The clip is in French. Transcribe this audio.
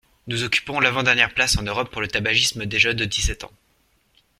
Nous occupons l’avant-dernière place en Europe pour le tabagisme des jeunes de dix-sept ans.